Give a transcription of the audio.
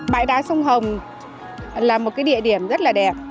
bãi đá sông hồng là một cái địa điểm rất là đẹp